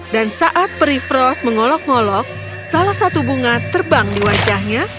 dan saat peri frost mengolok molok salah satu bunga terbang di belakangnya